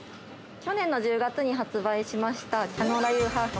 去年の１０月に発売しました、キャノーラ油ハーフ。